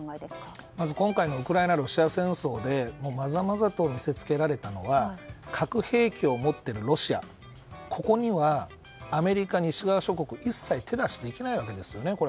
まず、今回のウクライナとロシア戦争でまざまざと見せつけられたのは核兵器を持っているロシアここにはアメリカ、西側諸国一切手出しできないわけですよね。